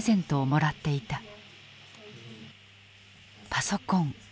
パソコン。